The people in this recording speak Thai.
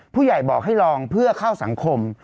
ผู้ใหญ่บอกให้ลองเพื่อเข้าสังคม